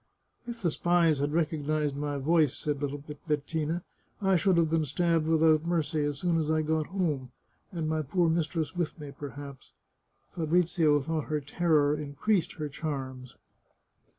" If the spies had recognised my voice," said little Bet tina, " I should have been stabbed without mercy as soon as I got home, and my poor mistress with me, perhaps.'* Fabrizio thought her terror increased her charms.